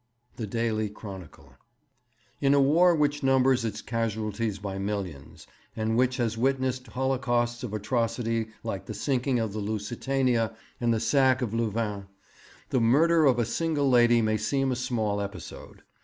The Daily Chronicle. 'In a War which numbers its casualties by millions, and which has witnessed holocausts of atrocity like the sinking of the Lusitania and the sack of Louvain, the murder of a single lady may seem a small episode.